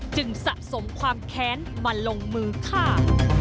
สะสมความแค้นมาลงมือฆ่า